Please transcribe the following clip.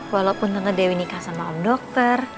walaupun tengah dewi nikah sama om dokter